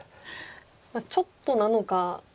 ちょっとなのか。